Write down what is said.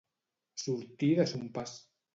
Sortir de son pas.